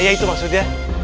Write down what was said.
iya itu maksudnya